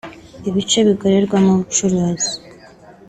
ibice bikorerwamo ubucuruzi